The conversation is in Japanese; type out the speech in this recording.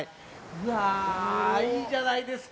うわいいじゃないですか。